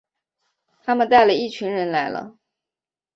他们带了一群人来了